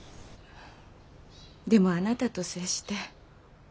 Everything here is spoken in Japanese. でもあなたと接して。